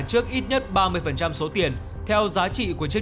trước ít nhất ba mươi số tiền theo giá trị của chiếc